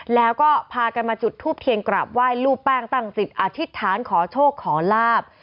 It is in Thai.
แล้วก็พากันมาจุดทูปเทียนกราบไหว้รูปแป้งตั้งจิตอธิษฐานขอโชคขอลาบ